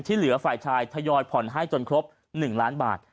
เหลือฝ่ายชายทยอยผ่อนให้จนครบ๑ล้านบาท